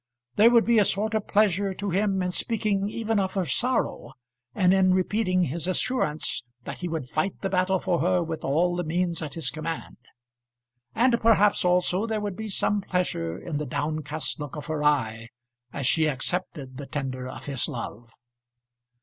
There would be a sort of pleasure to him in speaking even of her sorrow, and in repeating his assurance that he would fight the battle for her with all the means at his command. And perhaps also there would be some pleasure in the downcast look of her eye, as she accepted the tender of his love.